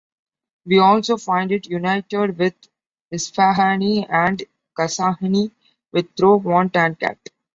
We also find it united with Isfahani and Kashani with throw, want, and cat.